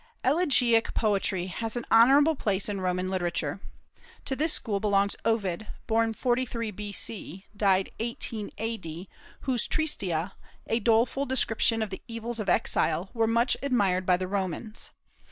Elegiac poetry has an honorable place in Roman literature. To this school belongs Ovid, born 43 B.C., died 18 A.D., whose "Tristia," a doleful description of the evils of exile, were much admired by the Romans.